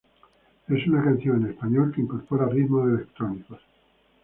Es una canción en español que incorpora ritmos electrónicos.